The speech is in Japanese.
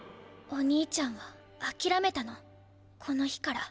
お兄ちゃんはあきらめたのこの日から。